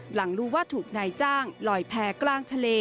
หลังรู้ว่าถูกนายจ้างลอยแพ้กลางทะเล